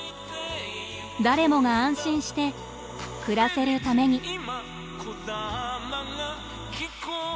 誰もが安心して暮らせるために。